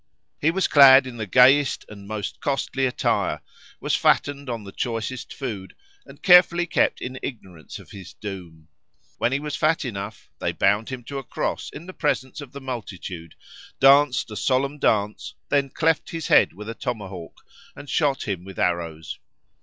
He was clad in the gayest and most costly attire, was fattened on the choicest food, and carefully kept in ignorance of his doom. When he was fat enough, they bound him to a cross in the presence of the multitude, danced a solemn dance, then cleft his head with a tomahawk and shot him with arrows.